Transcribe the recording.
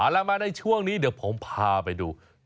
แล้วมาในช่วงนี้เดี๋ยวผมพาไปดู